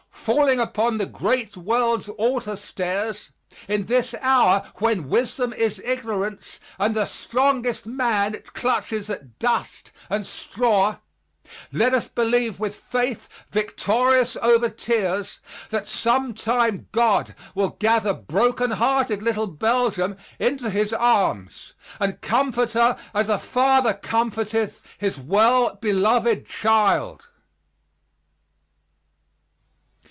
Falling upon the great world's altar stairs, in this hour when wisdom is ignorance, and the strongest man clutches at dust and straw, let us believe with faith victorious over tears, that some time God will gather broken hearted little Belgium into His arms and comfort her as a Father comforteth his well beloved child.